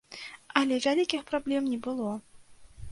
Але вялікіх праблем не было.